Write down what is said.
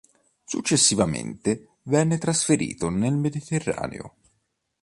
Successivamente venne trasferito nel Mediterraneo.